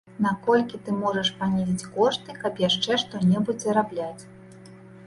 Наколькі ты можаш панізіць кошты, каб яшчэ што-небудзь зарабляць.